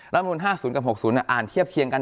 รัฐมนตร์ห้าศูนย์กับหกศูนย์อ่านเทียบเคียงกัน